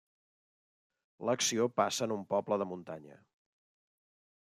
L'acció passa en un poble de muntanya.